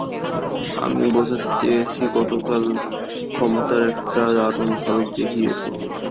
আমি বোঝাতে চেয়েছি গতকাল ক্ষমতার একটা দারুন ঝলক দেখিয়েছো।